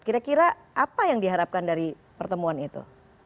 kira kira apa yang diharapkan dari pertemuan itu